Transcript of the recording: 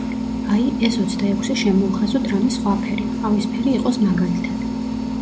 აი, ეს ოცდაექვსი შემოვხაზოთ რამე სხვა ფერით, ყავისფერი იყოს მაგალითად.